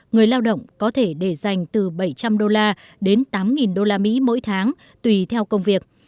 người lao động có thể để dành từ bảy trăm linh đô la đến tám đô la mỹ mỗi tháng tùy theo công việc